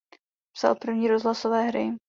Psal první rozhlasové hry.